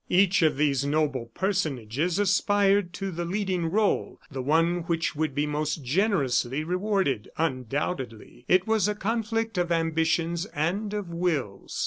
Each of these noble personages aspired to the leading role the one which would be most generously rewarded, undoubtedly. It was a conflict of ambitions and of wills.